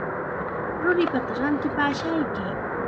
Ruripata ratipashqayki.